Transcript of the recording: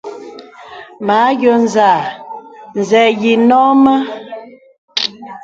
Mə àyɔ̄ɔ̄ zàà, zê yì nɔ̂ mə.